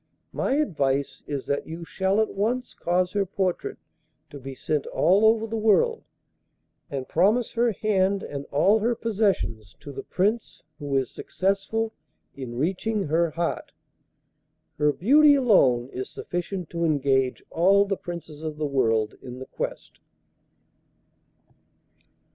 My advice is that you shall at once cause her portrait to be sent all over the world, and promise her hand and all her possessions to the Prince who is successful in reaching her heart. Her beauty alone is sufficient to engage all the Princes of the world in the quest.